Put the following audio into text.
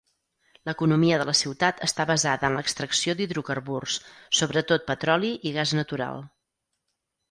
L'economia de la ciutat està basada en l'extracció d'hidrocarburs, sobretot petroli i gas natural.